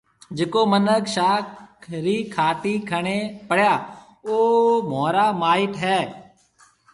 جڪو مِنک شاخ رِي کهاٽِي کڻيَ پڙيا او مهورا مائيٽ هيَ۔